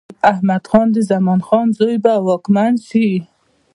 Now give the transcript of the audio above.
احمد خان د زمان خان زوی به واکمن شي.